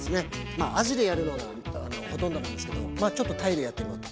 あじでやるのがほとんどなんですけどまあちょっと鯛でやってみようと。